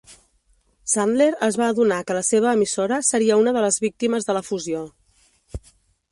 Sandler es va adonar que la seva emissora seria una de les víctimes de la fusió.